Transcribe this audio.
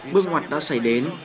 bước ngoặt đã xảy đến